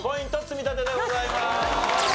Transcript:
積み立てでございます。